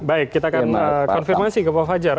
baik kita akan konfirmasi ke pak fajar